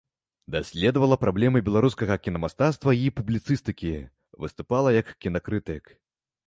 Даследавала праблемы беларускага кінамастацтва і публіцыстыкі, выступала як кінакрытык.